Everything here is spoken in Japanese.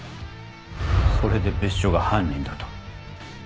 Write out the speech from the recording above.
それで別所が犯人だと。